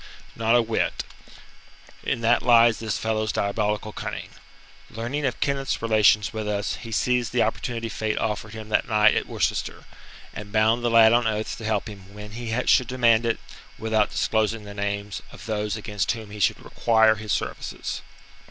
"Not a whit. In that lies this fellow's diabolical cunning. Learning of Kenneth's relations with us, he seized the opportunity Fate offered him that night at Worcester, and bound the lad on oath to help him when he should demand it, without disclosing the names of those against whom he should require his services.